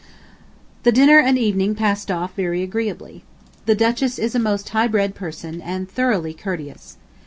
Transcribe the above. The dinner and evening passed off very agreeably. The Duchess is a most high bred person, and thoroughly courteous.